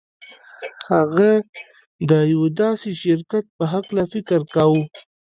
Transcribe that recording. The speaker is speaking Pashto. هغه د یوه داسې شرکت په هکله فکر کاوه